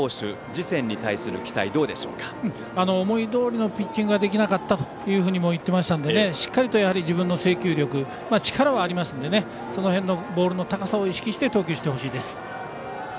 次戦に対する期待は思いどおりのピッチングができなかったとも言っていましたのでしっかりと自分の制球力力はありますのでその辺のボールの高さを意識して投球してほしいです。